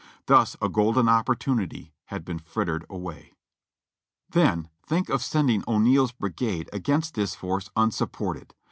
Thus a golden opportunity had been frittered away. Then, think of sending O'Neal's brigade against this force un supported